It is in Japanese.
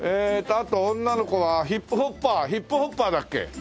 あと女の子はヒップホッパーヒップホッパーだっけ？